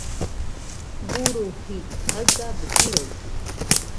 Guruji jaigabɨ jiroitɨkue.